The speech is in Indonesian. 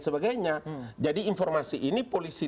sebagainya jadi informasi ini polisi